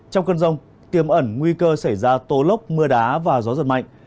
trong cơn rông tiêm ẩn nguy cơ xảy ra tố lốc mưa đá và gió giật mạnh